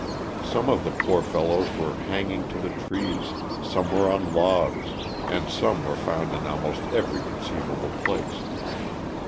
Some of the poor fellows were hang ing to the trees, some were on logs, and some were found in almost every conceivable place.